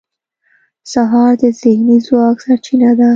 سهار د ذهني ځواک سرچینه ده.